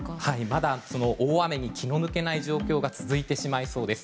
まだ大雨に気の抜けない状況が続いてしまいそうです。